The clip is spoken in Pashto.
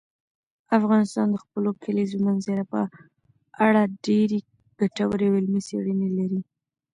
افغانستان د خپلو کلیزو منظره په اړه ډېرې ګټورې او علمي څېړنې لري.